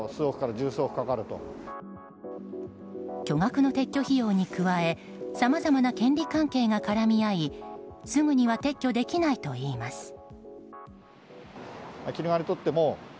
巨額の撤去費用に加えさまざまな権利関係が絡み合いすぐには撤去できないといいます。